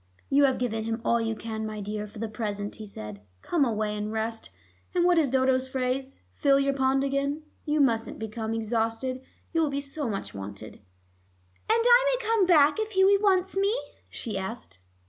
"You have given him all you can, my dear, for the present," he said. "Come away and rest, and what is Dodo's phrase? fill your pond again. You mustn't become exhausted; you will be so much wanted." "And I may come back if Hughie wants me?" she asked.